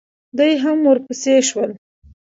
دوئ هم ورپسې شول.